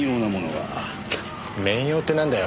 面妖ってなんだよ？